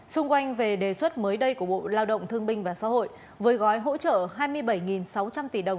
xung quanh về đề xuất mới đây của bộ lao động thương binh và xã hội với gói hỗ trợ hai mươi bảy sáu trăm linh tỷ đồng